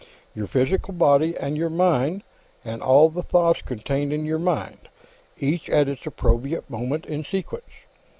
"Your physical body, and your mind, and all the thoughts contained in your mind, each at its appropriate moment in sequence.